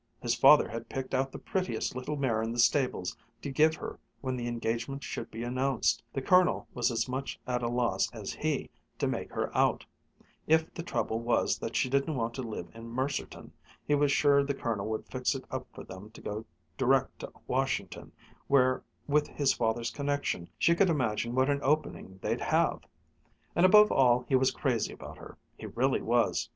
His father had picked out the prettiest little mare in the stables to give her when the engagement should be announced the Colonel was as much at a loss as he to make her out if the trouble was that she didn't want to live in Mercerton, he was sure the Colonel would fix it up for them to go direct to Washington, where with his father's connection she could imagine what an opening they'd have! And above all he was crazy about her he really was!